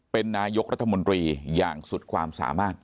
เป็นนายกรัฐมนตรีอย่างสุดความสามารถ